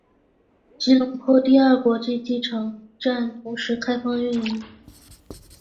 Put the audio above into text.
吉隆坡第二国际机场站同时开放运营。